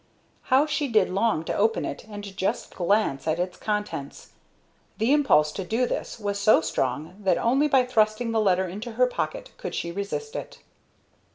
How she did long to open it and just glance at its contents! The impulse to do this was so strong that only by thrusting the letter into her pocket could she resist it.